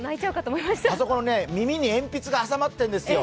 あそこの耳に鉛筆が挟まってるんですよ。